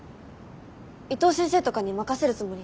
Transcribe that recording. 伊藤先生とかに任せるつもり？